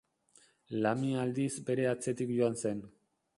Lamia aldiz bere atzetik joan zen.